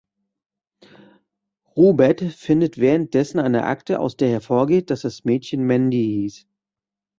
Robert findet während dessen eine Akte, aus der hervorgeht, dass das Mädchen Mandy hieß.